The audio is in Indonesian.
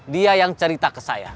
dia yang cerita ke saya